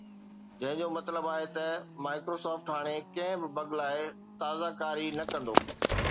جنهن جو مطلب آهي ته Microsoft هاڻي ڪنهن به بگ لاءِ تازه ڪاري نه ڪندو